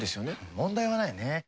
問題はないね